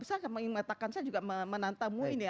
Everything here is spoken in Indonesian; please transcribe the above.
saya ingin mengatakan saya juga menantang mui ini ya